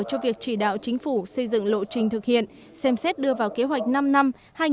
cho việc chỉ đạo chính phủ xây dựng lộ trình thực hiện xem xét đưa vào kế hoạch năm năm hai nghìn hai mươi một hai nghìn hai mươi